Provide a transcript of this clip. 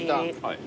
はい。